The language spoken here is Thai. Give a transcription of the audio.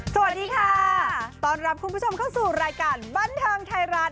สวัสดีค่ะต้อนรับคุณผู้ชมเข้าสู่รายการบันเทิงไทยรัฐ